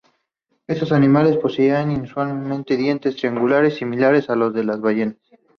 Estos animales poseían inusuales dientes triangulares, similares a los de las ballenas.